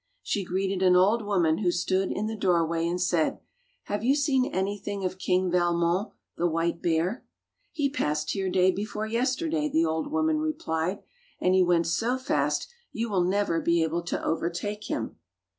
She greeted an old woman who stood in the doorway, and said, "Have you seen anything of King Valmon, the white bear.^^" "He passed here day before yesterday," the old woman replied, "and he went so fast you will never be able to overtake him."